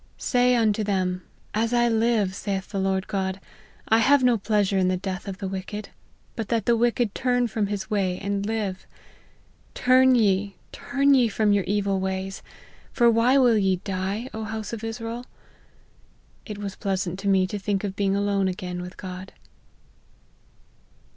'Say unto them, As I live saith the Lord God, I have no pleasure in the death of the wicked : but that the wicked turn from his way and live : turn ye, turn ye from your evil ways ; for why will ye die, O house of Israel ?' It xvas pleasant to me to think of being alone again with God."